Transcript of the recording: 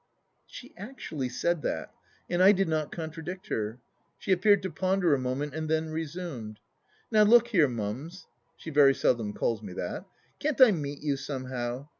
.,." She actually said that, and I did not contradict her. She appeared to ponder a moment and then resumed :" Now look here. Mums (she very seldom calls me that), can't I meet you somehow